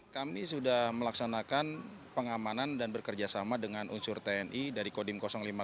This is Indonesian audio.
kami sudah melaksanakan pengamanan dan bekerjasama dengan unsur tni dari kodim lima puluh